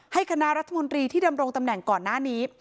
คณะรัฐมนตรีที่ดำรงตำแหน่งก่อนหน้านี้